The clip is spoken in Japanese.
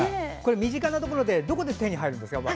身近なところでどこで手に入るんですか？